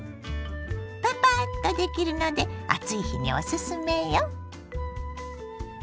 パパッとできるので暑い日におすすめよ。